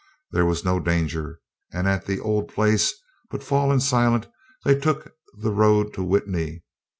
There was no danger, and at the old pace, but fallen silent, they took the road to Witney.